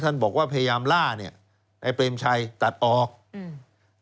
บอกว่าพยายามล่าเนี้ยไอ้เปรมชัยตัดออกอืม